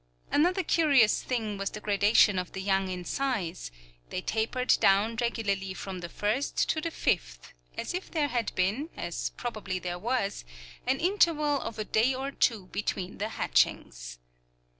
Another curious thing was the gradation of the young in size; they tapered down regularly from the first to the fifth, as if there had been, as probably there was, an interval of a day or two between the hatchings.